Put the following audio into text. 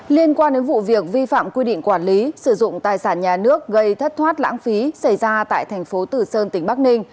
liên quan đến vụ việc vi phạm quy định quản lý sử dụng tài sản nhà nước gây thất thoát lãng phí xảy ra tại thành phố tử sơn tỉnh bắc ninh